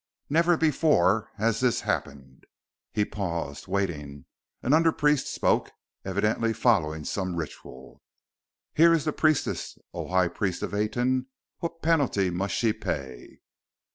Never before has this happened." He paused, waiting. An under priest spoke; evidently following some ritual. "Here is the priestess, O High Priest of Aten! What penalty must she pay?"